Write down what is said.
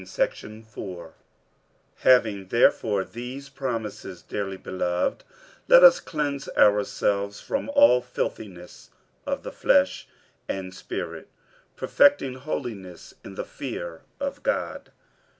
47:007:001 Having therefore these promises, dearly beloved, let us cleanse ourselves from all filthiness of the flesh and spirit, perfecting holiness in the fear of God.